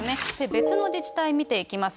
別の自治体見ていきます。